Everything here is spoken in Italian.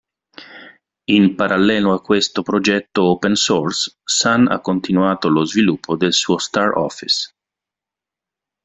In parallelo a questo progetto open source Sun ha continuato lo sviluppo del suo StarOffice.